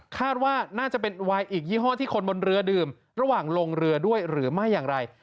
คาดว่าน่าจะเป็นวายอีกยี่ห้อที่คนบนเรือดื่มระหว่างลงเรือด้วยหรือไม่อย่างไร